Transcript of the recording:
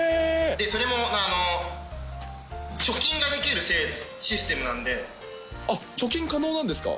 それも、貯金ができるシステ貯金可能なんですか？